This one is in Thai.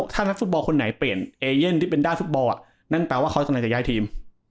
ถ้านักฟุตบอลคนไหนเปลี่ยนเอเย่นที่เป็นด้านฟุตบอลนั่นแปลว่าเขากำลังจะย้ายทีม